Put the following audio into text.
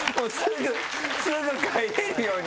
すぐ帰れるように。